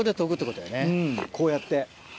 うんこうやって。